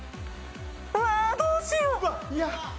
うわあどうしよう。